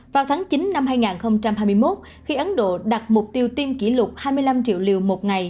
vào tháng chín năm hai nghìn hai mươi một khi ấn độ đặt mục tiêu tiêm kỷ lục hai mươi năm triệu liều một ngày